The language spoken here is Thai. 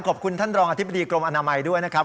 ขอบคุณท่านรองอธิบดีกรมอนามัยด้วยนะครับ